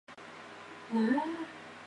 元朝初年废除。